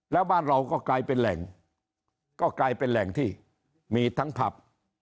แล้วบ้านเราก็กลายเป็นแหล่งก็กลายเป็นแหล่งที่มีทั้งผับ